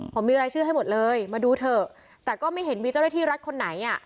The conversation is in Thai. ผมมีรายชื่อให้หมดเลยมาดูเถอะแต่ก็ไม่เห็นมีเจ้าหน้าที่รัฐคนไหนอ่ะ